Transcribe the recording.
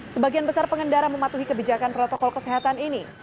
sebagian besar pengendara mematuhi kebijakan protokol kesehatan ini